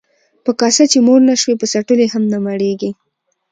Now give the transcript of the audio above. ـ په کاسه چې موړ نشوې، په څټلو يې هم نه مړېږې.